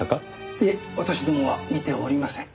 いえ私どもは見ておりません。